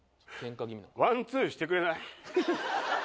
「ワンツーしてくれない」？